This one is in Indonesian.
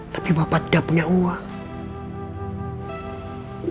tapi bapak tidak punya uang